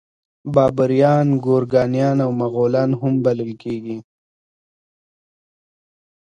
بابریان ګورکانیان او مغولان هم بلل کیږي.